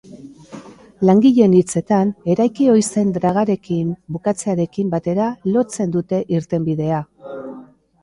Langileen hitzetan, eraiki ohi zen dragarekin bukatzearekin batera lotzen dute irtenbidea.